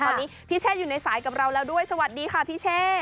ตอนนี้พี่เช่อยู่ในสายกับเราแล้วด้วยสวัสดีค่ะพี่เช่